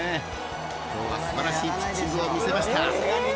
［今日は素晴らしいピッチングを見せました］